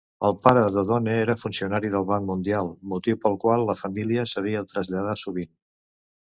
El pare d'Odone era funcionari del Banc Mundial, motiu pel qual la família s'havia de traslladar sovint.